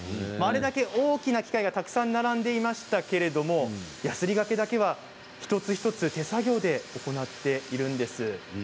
あれだけ大きな機械がたくさん並んでいましたけれどやすりがけだけは一つ一つ手作業で行っているんです。